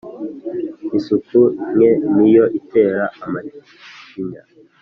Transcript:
isuku nke niyo itera amacinya.